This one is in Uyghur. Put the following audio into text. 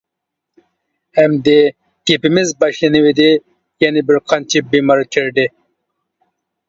ئەمدى گېپىمىز باشلىنىۋىدى، يەنە بىر قانچە بىمار كىردى.